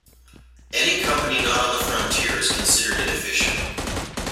Any company not on the frontier is considered inefficient.